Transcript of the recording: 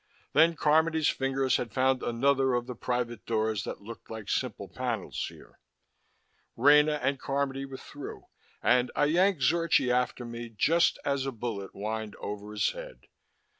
Then Carmody's fingers had found another of the private doors that looked like simple panels here. Rena and Carmody were through, and I yanked Zorchi after me, just as a bullet whined over his head.